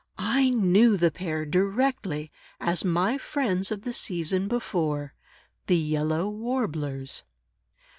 I knew the pair, directly, as my friends of the season before, the Yellow Warblers.